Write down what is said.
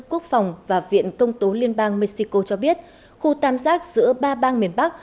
quốc phòng và viện công tố liên bang mexico cho biết khu tam giác giữa ba bang miền bắc